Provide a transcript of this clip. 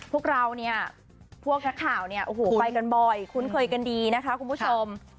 พวกเราเนี่ยพวกนักข่าวเนี่ยโอ้โหไปกันบ่อยคุ้นเคยกันดีนะคะคุณผู้ชม